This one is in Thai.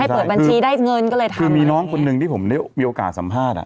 เปิดบัญชีได้เงินก็เลยทำคือมีน้องคนหนึ่งที่ผมได้มีโอกาสสัมภาษณ์อ่ะ